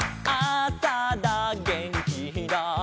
「あさだげんきだ」